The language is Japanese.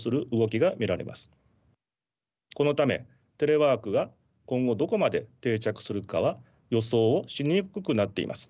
このためテレワークが今後どこまで定着するかは予想をしにくくなっています。